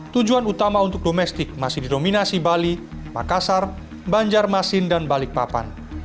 tujuan utama untuk domestik masih didominasi bali makassar banjarmasin dan balikpapan